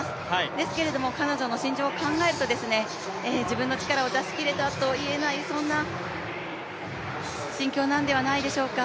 ですけれども彼女の心境を考えると、自分の力を出し切れたとは言えない、そんな心境なんではないでしょうか。